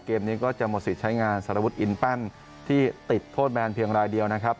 เกมนี้ก็จะหมดสิทธิ์ใช้งานสารวุฒิอินแป้นที่ติดโทษแบนเพียงรายเดียวนะครับ